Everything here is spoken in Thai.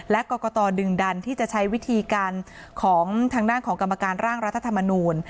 และกรกตดึงดันที่จะใช้วิธีการของทางด้านของกรรมการร่างรัฐธรรมนูล